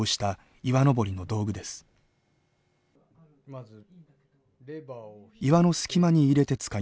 岩の隙間に入れて使います。